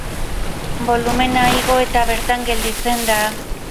Bolumena igo eta bertan gelditzen da.